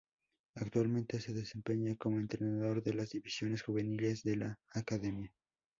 Actualmente se desempeña como entrenador en las divisiones juveniles de la "Academia".